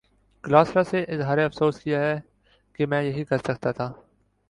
کلاسرا سے اظہار افسوس کیا کہ میں یہی کر سکتا تھا۔